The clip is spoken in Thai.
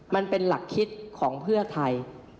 มันเป็นหลักคิดของเพื่อไทย